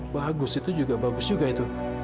bagus itu juga bagus juga itu